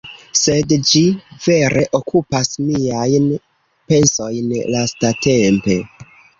Sed ĝi vere okupas miajn pensojn lastatempe